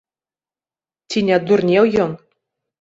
Ці не адурнеў ён?